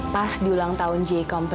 pas diulang tahun je company